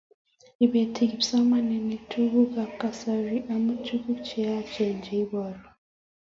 ipeti kipsomaninik tukuk ap kasari amu tukuk cheyach cheporu